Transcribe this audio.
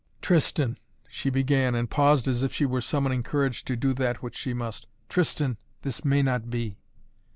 "Tristan," she began, and paused as if she were summoning courage to do that which she must. "Tristan, this may not be."